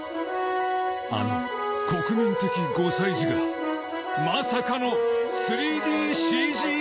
あの国民的５歳児がまさかの ３ＤＣＧ 化！